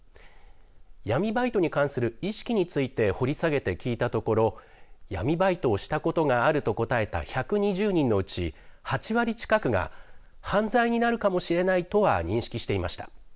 闇バイトに関する意識について掘り下げて聞いたところ闇バイトをしたことがあると答えた１２０人のうち８割近くが犯罪になるかもしれないとは認識していました。